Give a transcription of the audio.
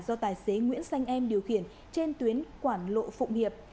do tài xế nguyễn xanh em điều khiển trên tuyến quảng lộ phụng hiệp